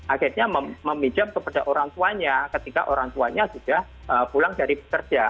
akhirnya meminjam kepada orang tuanya ketika orang tuanya sudah pulang dari pekerja